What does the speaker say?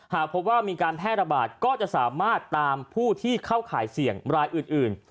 หากพบว่ามีการแพร่ระบาดก็จะสามารถตามผู้ที่เข้าข่ายเสี่ยงรายอื่น